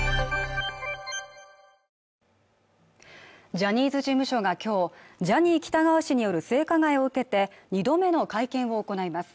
ジャニーズ事務所が今日、ジャニー喜多川氏による性加害を受けて２度目の会見を行います。